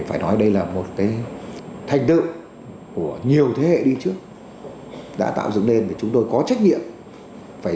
phải nói đây là một cái thành tựu của nhiều thế hệ đi trước đã tạo dựng nên chúng tôi có trách nhiệm phải